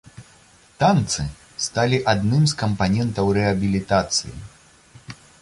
Танцы сталі адным з кампанентаў рэабілітацыі.